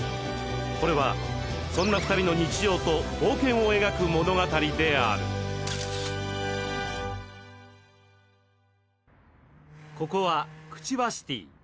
これはそんな２人の日常と冒険を描く物語であるここはクチバシティ。